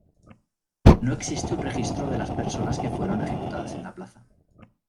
No existe un registro de las personas que fueron ejecutadas en la plaza.